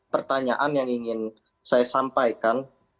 pertanyaan yang ingin saya sampaikan